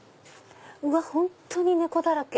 本当に猫だらけ！